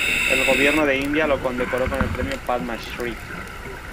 El gobierno de India lo condecoró con el premio Padma Shri.